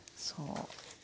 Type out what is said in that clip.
そう。